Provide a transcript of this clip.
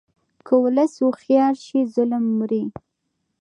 که ولس هوښیار شي، ظلم مري.